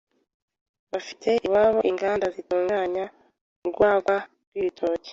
bafite iwabo inganda zitunganya urwagwa rw’ibitoki,